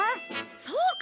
そうか！